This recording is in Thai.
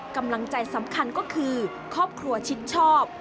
กำลังใจสำคัญก็คือครอบครัวชิดชอบ